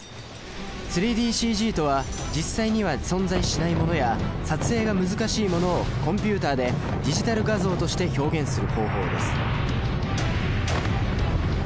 ３ＤＣＧとは実際には存在しないものや撮影が難しいものをコンピュータでディジタル画像として表現する方法です。